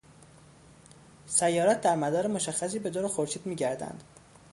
سیارات در مدار مشخصی به دور خورشید میگردند